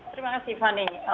terima kasih fani